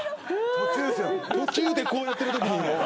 途中でこうやってるときにもう。